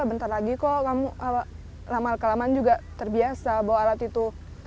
bentar lagi kok kamu lama kelamaan juga terbiasa bawa alat itu